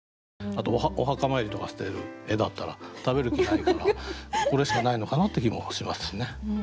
あとお墓参りとかしている絵だったら食べる気ないからこれしかないのかなって気もしますしね。